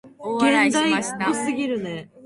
大笑いしました。